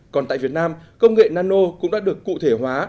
còn tại việt nam công nghệ nano cũng đã được cụ thể hóa